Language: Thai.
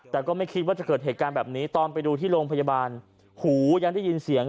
แต่ก็ไม่คิดว่าจะเกิดเหตุการณ์แบบนี้ตอนไปดูที่โรงพยาบาลหูยังได้ยินเสียง